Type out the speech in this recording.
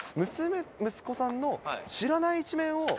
娘、息子さんの知らない一面を。